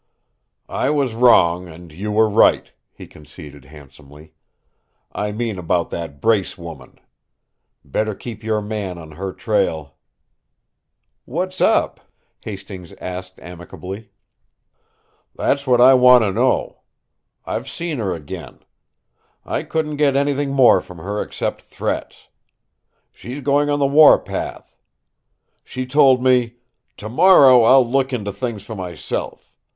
"I was wrong, and you were right," he conceded, handsomely; "I mean about that Brace woman. Better keep your man on her trail." "What's up?" Hastings asked amicably. "That's what I want to know! I've seen her again. I couldn't get anything more from her except threats. She's going on the warpath. She told me: 'Tomorrow I'll look into things for myself.